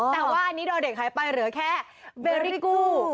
แต่ว่าอันนี้โดยเด็กหายไปเหลือแค่เบรี่กู้